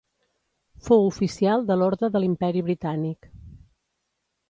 Fou oficial de l'Orde de l'Imperi Britànic.